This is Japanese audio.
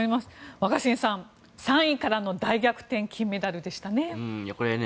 若新さん、３位からの大逆転金メダルでしたね。